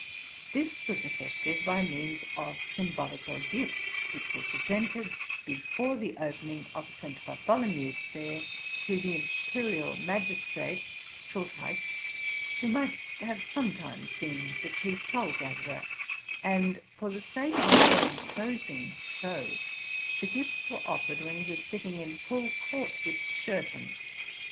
This was effected by means of symbolical gifts, which were pre sented before the opening of St. Bartholomew's Fair to the imperial magistrate (Schultheiss), who might have sometimes been the chief toll gatherer; and, for the sake of a more imposing show, the gifts were offered when he was sitting in full court with the Schoffen.